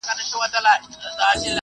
زه مخکي مکتب ته تللي وو؟!